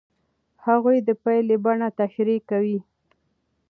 هغوی د پایلې بڼه تشریح کوي.